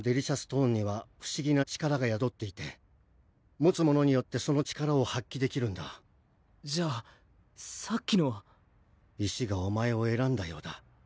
トーンには不思議な力が宿っていて持つ者によってその力を発揮できるんだじゃあさっきのは石がお前をえらんだようだ